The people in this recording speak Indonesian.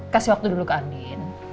kasih waktu dulu ke andin